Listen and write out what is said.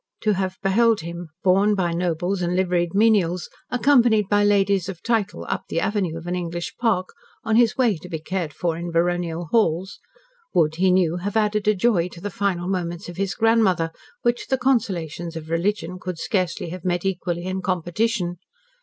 To have beheld him, borne by nobles and liveried menials, accompanied by ladies of title, up the avenue of an English park on his way to be cared for in baronial halls, would, he knew, have added a joy to the final moments of his grandmother, which the consolations of religion could scarcely have met equally in competition.